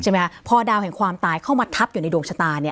พอดาวแห่งความตายเข้ามาทับอยู่ในดวงชะตาเนี่ย